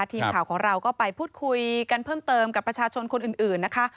ทีมข่าวของเราก็ไปพูดคุยกันเพิ่มเติมกับประชาชนคนอื่นนะคะ